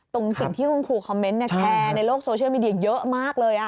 สิ่งที่คุณครูคอมเมนต์แชร์ในโลกโซเชียลมีเดียเยอะมากเลย